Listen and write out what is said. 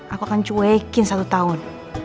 aku akan cuekin satu tahun